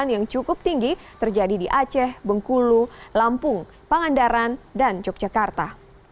yang cukup tinggi terjadi di aceh bengkulu lampung pangandaran dan yogyakarta